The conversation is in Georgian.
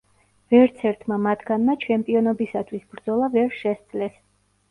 ვერცერთმა მათგანმა ჩემპიონობისათვის ბრძოლა ვერ შესძლეს.